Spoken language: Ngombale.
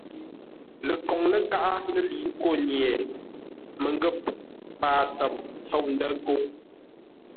Lekoŋ ləkaʼá lə́ lə̌i ńkó nye məngə̂p paa tsəm tsôʼ ndə̂ nkə́u.